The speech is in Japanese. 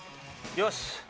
よし。